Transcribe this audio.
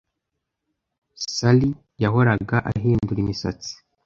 Sally yahoraga ahindura imisatsi.